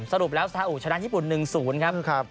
สรุปแล้วสาอุชนะญี่ปุ่น๑๐ครับ